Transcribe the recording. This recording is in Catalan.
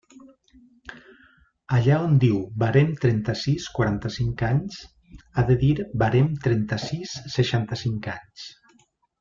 Allà on diu «Barem trenta-sis quaranta-cinc anys» ha de dir «Barem trenta-sis seixanta-cinc anys».